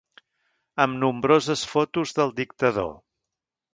Amb nombroses fotos del dictador.